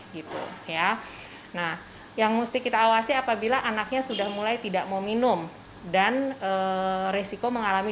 gitu ya nah yang mesti kita awasi apabila anaknya sudah mulai tidak mau minum dan resiko mengalami